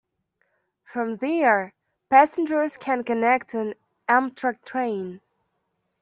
From there, passengers can connect to an Amtrak train.